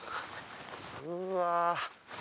うわ。